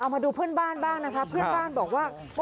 มาเดินบ้านก็เย็บ